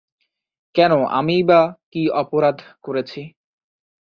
কেন আমিই-বা কী অপরাধ করেছি।